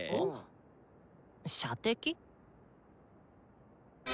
射的？